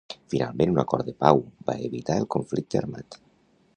Finalment un acord de pau va evitar el conflicte armat.